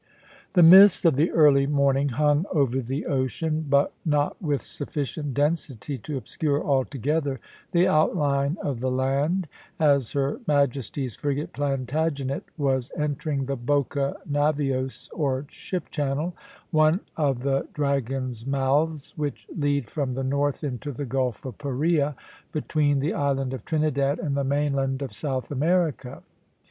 The mists of the early morning hung over the ocean, but not with sufficient density to obscure altogether the outline of the land, as her Majesty's frigate Plantagenet was entering the Boca Navios, or ship channel, one of the Dragon's Mouths which lead from the north into the Gulf of Paria, between the island of Trinidad and the mainland of South America.